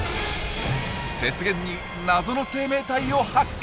雪原に謎の生命体を発見！